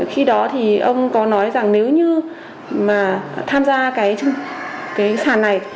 khi đó thì ông có nói rằng nếu như mà tham gia cái sàn này